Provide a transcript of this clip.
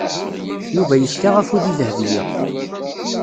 Yuba yefka afud i Dahbiya.